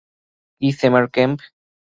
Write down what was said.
কি summer camp?